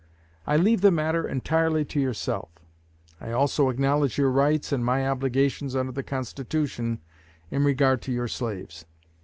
I leave the matter entirely to yourself. I also acknowledge your rights and my obligations under the Constitution, in regard to your slaves.